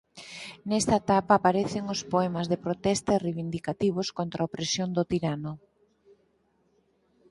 Nesa etapa aparecen os poemas de protesta e reivindicativos contra a opresión do tirano.